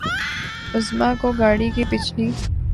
اعظمی کو گاڑی کی پچھلی